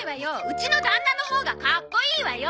うちの旦那のほうがかっこいいわよ！